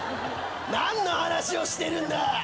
何の話をしてるんだ。